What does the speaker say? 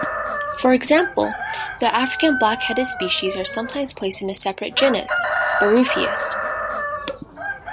For example, the African black-headed species are sometimes placed in a separate genus, "Baruffius".